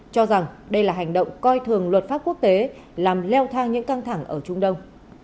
cho rằng đây là hành động coi thường luật pháp quốc tế làm leo thang những căng thẳng ở trung đông